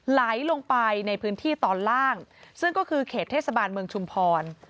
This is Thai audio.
ไหลลงไปในพื้นที่ตอนล่างซึ่งก็คือเขตเทศบาลเมืองชุมพร